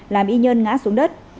làm y nhân ngã xuống đất